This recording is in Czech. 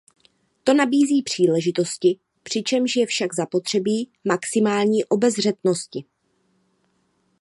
To nabízí příležitosti, přičemž je však zapotřebí maximální obezřetnosti.